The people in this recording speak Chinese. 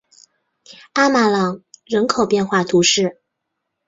阿马朗人口变化图示